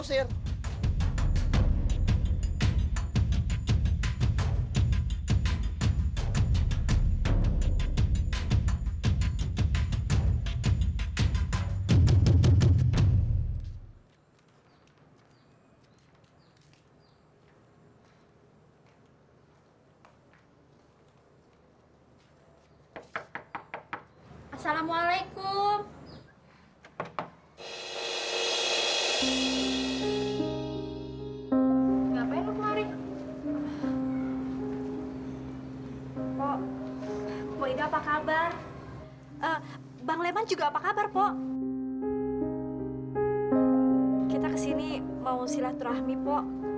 kita kesini mau silaturahmi po